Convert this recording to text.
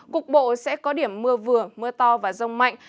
cục bộ sẽ có điểm mưa vừa mưa to và rông mạnh